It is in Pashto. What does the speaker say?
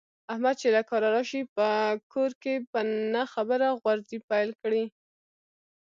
احمد چې له کاره راشي، په کور کې په نه خبره غورزی پیل کړي.